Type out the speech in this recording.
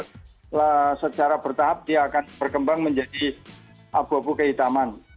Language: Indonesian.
kalau secara bertahap dia akan berkembang menjadi abu abu kait aman